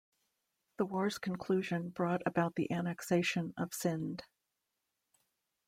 The war's conclusion brought about the annexation of Scinde.